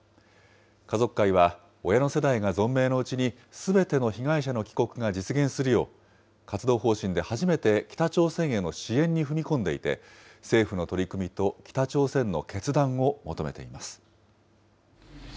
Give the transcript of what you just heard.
家族会は、親の世代が存命のうちに、すべての被害者の帰国が実現するよう、活動方針で初めて北朝鮮への支援に踏み込んでいて、政府の取り組みと北朝鮮の決断を求めています。